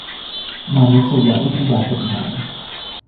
มานุษยวิทยากฎหมาย